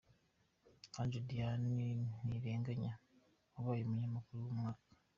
Ange Daniel Ntirenganya wabaye umunyamakuru w'umwaka.